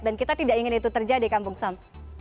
dan kita tidak ingin itu terjadi kan bungsam